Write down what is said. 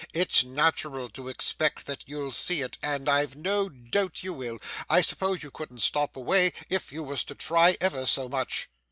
It's natural to expect that you'll see it, and I've no doubt you will. I suppose you couldn't stop away if you was to try ever so much.